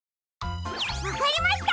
わかりました！